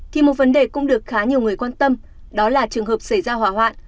thì một vấn đề cũng được khá nhiều người quan tâm đó là trường hợp xảy ra hỏa hoạn